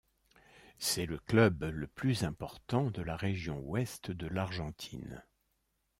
C'est le club le plus important de la région ouest de l'Argentine.